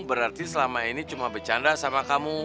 berarti selama ini cuma bercanda sama kamu